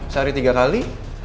sehari tiga kali